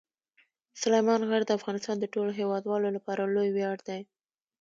سلیمان غر د افغانستان د ټولو هیوادوالو لپاره لوی ویاړ دی.